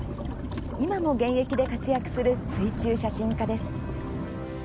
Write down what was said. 今も現役で活躍する水中写真家です。